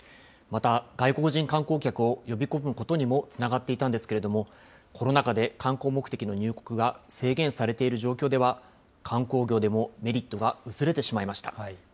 また、外国人観光客を呼び込むことにもつながっていたんですけれども、コロナ禍で観光目的の入国が制限されている状況では、観光業でもメリットが薄れてしまいました。